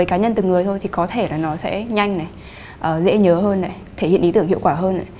với cá nhân từ người thôi thì có thể là nó sẽ nhanh dễ nhớ hơn thể hiện ý tưởng hiệu quả hơn